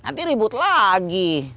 nanti ribut lagi